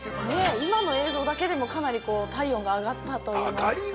今の映像だけでもかなり体温が上がったといいますか。